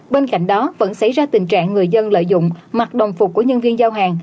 bên cạnh đó vẫn xảy ra tình trạng người dân lợi dụng mặc đồng phục của nhân viên giao hàng